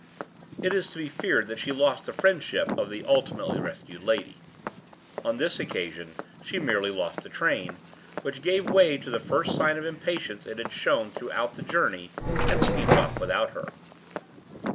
It is to be feared that she lost the friendship of the ultimately rescued lady. On this occasion she merely lost the train, which gave way to the first sign of impatience it had shown throughout the journey, and steamed off without her.